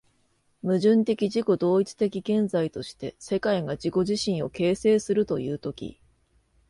矛盾的自己同一的現在として、世界が自己自身を形成するという時、